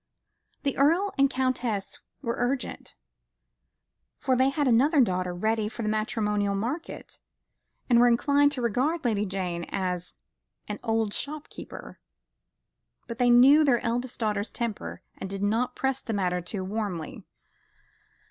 The Earl and Countess were urgent, for they had another daughter ready for the matrimonial market, and were inclined to regard Lady Jane as an "old shopkeeper," but they knew their eldest daughter's temper, and did not press the matter too warmly.